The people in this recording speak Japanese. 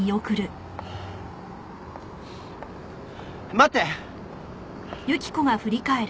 待って！